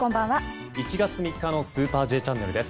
１月３日の「スーパーＪチャンネル」です。